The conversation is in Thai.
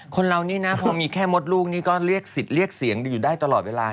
คนเรานี่นะพอมีแค่มดลูกนี่ก็เรียกสิทธิ์เรียกเสียงอยู่ได้ตลอดเวลา